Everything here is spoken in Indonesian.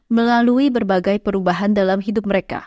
melalui berbagai perubahan dalam hidup mereka